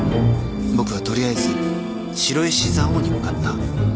［僕は取りあえず白石蔵王に向かった］